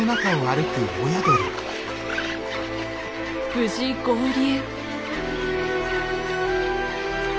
無事合流。